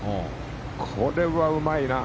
これはうまいな。